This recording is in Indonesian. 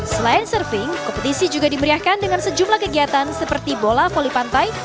selain surfing kompetisi juga dimeriahkan dengan sejumlah kegiatan seperti bola voli pantai